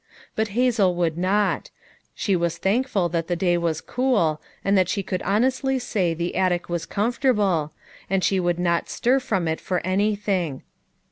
Hut Hazel would not; nbo wan thankful that the day wan cool and that bIio could honeatly nay llm attic wan comfortable, and hIio woidd not niir from it for anything.